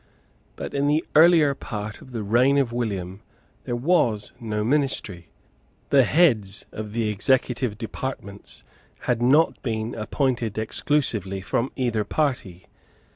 But in the earlier part of the reign of William there was no ministry. The heads of the executive departments had not been appointed exclusively from either party.